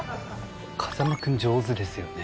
風間君、上手ですよね。